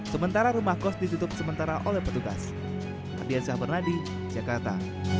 sementara rumah kos ditutup sementara oleh petugas hadiah sabar nadi jakarta